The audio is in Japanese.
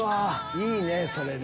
いいねそれね。